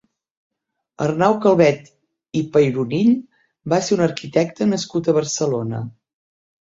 Arnau Calvet i Peyronill va ser un arquitecte nascut a Barcelona.